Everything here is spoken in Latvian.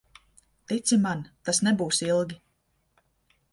Tici man, tas nebūs ilgi.